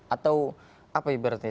atau apa berarti